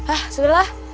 ah sudah lah